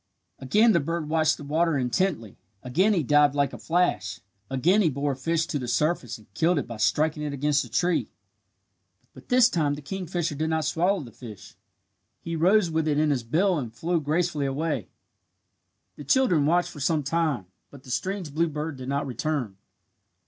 Again the bird watched the water intently. Again he dived like a flash. Again he bore a fish to the surface and killed it by striking it against the tree. But this time the kingfisher did not swallow the fish. He rose with it in his bill and flew gracefully away. The children watched for some time, but the strange blue bird did not return.